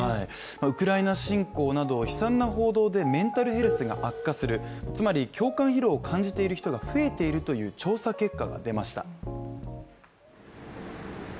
ウクライナ侵攻など悲惨な報道でメンタルヘルスが悪化する、つまり共感疲労を感じている人が増えているという調査結果が出ました。